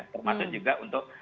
termasuk juga untuk